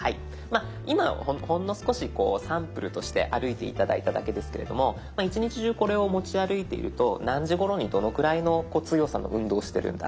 今ほんの少しサンプルとして歩いて頂いただけですけれども一日中これを持ち歩いていると何時ごろにどのくらいの強さの運動をしてるんだ